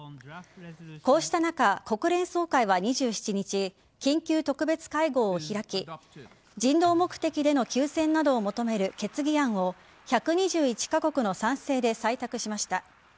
こうした中、国連総会は２７日緊急特別会合を開き人道目的での休戦などを求める決議案を１２１カ国の賛成で採択しました。